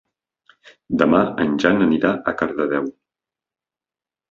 Demà en Jan anirà a Cardedeu.